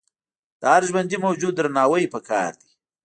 د هر ژوندي موجود درناوی پکار دی.